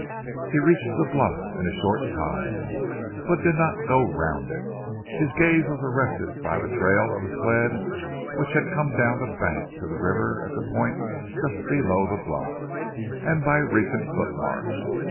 He reached the bluff in a short time, but did not go round it. His gaze was arrested by the trail of a sled which had come down the bank to the river at a point just below the bluff, and by recent footmarks.